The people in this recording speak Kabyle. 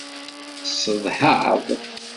Tsetḥaḍ?